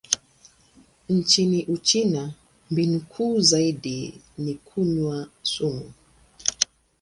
Nchini Uchina, mbinu kuu zaidi ni kunywa sumu.